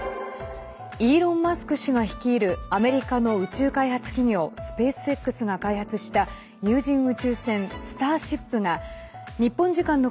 イーロン・マスク氏が率いるアメリカの宇宙開発企業スペースＸが開発した有人宇宙船「スターシップ」が日本時間の